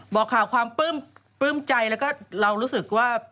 บอกข่าวความปลื้มใจแล้วก็เรารู้สึกว่า